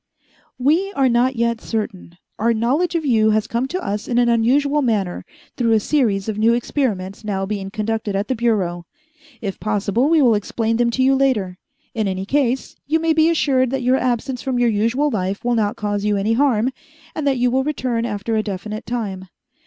"We are not yet certain. Our knowledge of you has come to us in an unusual manner, through a series of new experiments now being conducted at the Bureau. If possible, we will explain them to you later. In any case you may be assured that your absence from your usual life will not cause you any harm, and that you will return after a definite time.